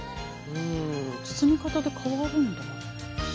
包み方で変わるんだ。